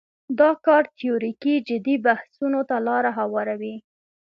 دا کار تیوریکي جدي بحثونو ته لاره هواروي.